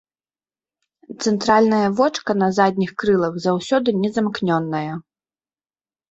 Цэнтральнае вочка на задніх крылах заўсёды не замкнёнае.